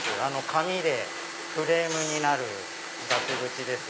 紙でフレームになる額縁です。